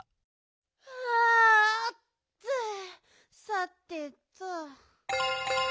さてと。